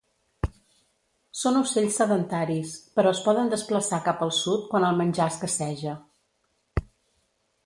Són ocells sedentaris, però es poden desplaçar cap al sud quan el menjar escasseja.